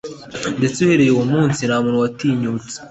Ndetse uhereye uwo munsi nta muntu watinyutse